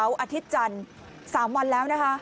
อาทิตย์จันทร์๓วันแล้วนะคะ